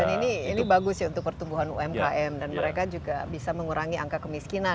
dan ini bagus ya untuk pertumbuhan umkm dan mereka juga bisa menggerakkan itu juga ya